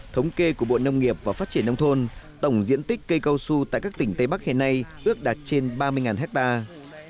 thống kê của bộ nông nghiệp và phát triển nông thôn tổng diện tích cây cao su tại các tỉnh tây bắc hiện nay ước đạt trên ba mươi hectare